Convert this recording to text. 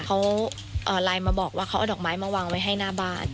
เขาไลน์มาบอกว่าเขาเอาดอกไม้มาวางไว้ให้หน้าบ้าน